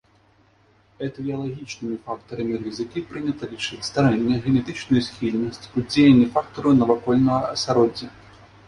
Этыялагічнымі фактарамі рызыкі прынята лічыць старэнне, генетычную схільнасць, уздзеянне фактараў навакольнага асяроддзя.